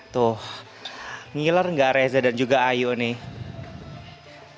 tuh ngiler nggak reza dan juga ayu nih